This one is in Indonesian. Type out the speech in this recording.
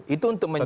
itu untuk menjaga